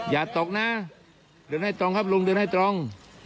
อย่าตกนะเดินให้ตรงครับลุงเดินให้ตรง